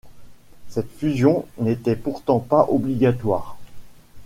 Cette fusion n'était pourtant pas obligatoire.